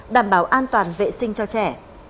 đảm bảo an toàn vệ sinh cho trẻ